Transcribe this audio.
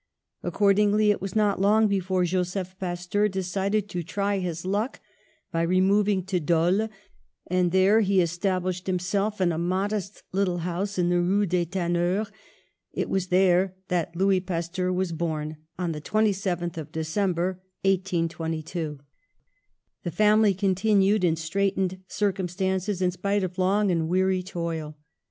Accordingly it was not long before Joseph Pasteur decided to try his luck by removing to Dole, and there he established himself in a modest little house in the Rue des Tanneurs. It was there that Louis Pasteur was born on the 27th of December, 1822. The family continued in straitened circum stances, in spite of long and weary toil.